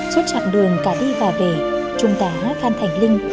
suốt chặng đường cả đi và về chúng ta hát than thành linh